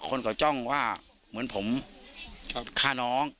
คนเขาจ้องว่าเหมือนผมฆ่าน้อง